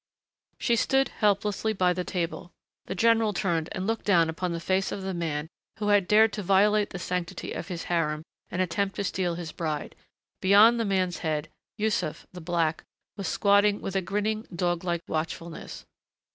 She stood helplessly by the table; the general turned and looked down upon the face of the man who had dared to violate the sanctity of his harem and attempt to steal his bride; beyond the man's head Yussuf, the black, was squatting with a grinning, dog like watchfulness.